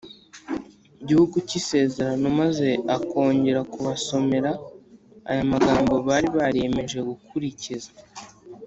Gihugu cy Isezerano maze akongera kubasomera ya magambo bari bariyemeje gukurikiza